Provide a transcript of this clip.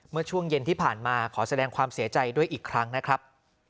เมื่อช่วงเย็นที่ผ่านมาขอแสดงความเสียใจด้วยอีกครั้งนะครับ